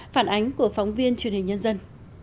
phản ánh của phóng viên truyền hình nhân dân